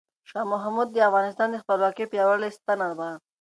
شاه محمود د افغانستان د خپلواکۍ یو پیاوړی ستنه وه.